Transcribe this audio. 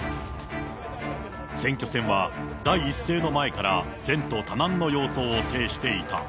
選挙戦は第一声の前から前途多難の様相を呈していた。